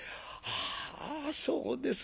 「ああそうですか。